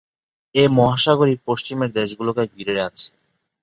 এ মহাসাগরই পশ্চিমের দেশগুলোকে ঘিরে আছে।